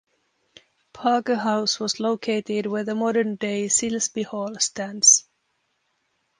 Parker House was located where the modern-day Silsby Hall stands.